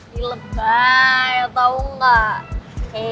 dilebak ya tau gak